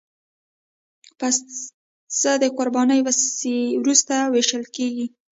پسه د قربانۍ وروسته وېشل کېږي.